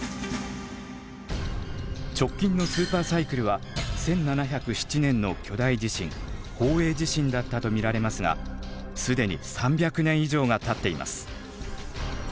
直近のスーパーサイクルは１７０７年の巨大地震宝永地震だったと見られますが既に３００年以上がたっています。